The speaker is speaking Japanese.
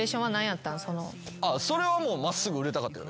それはもう真っすぐ売れたかったよ